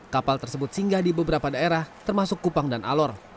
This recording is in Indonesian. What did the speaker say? kapal tersebut singgah di beberapa daerah termasuk kupang dan alor